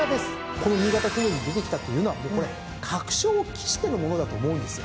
この新潟記念に出てきたというのは確証を期してのものだと思うんですよ。